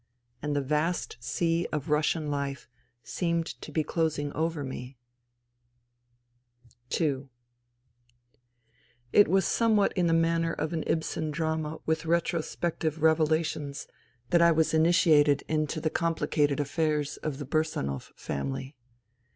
And the vast sea of Russian life seemed to be closing over me. ... THE THREE SISTERS 13 II It was somewhat in the manner of an Ibsen drama with retrospective revelations that I was initiated into the complicated affairs of the Bursanov family.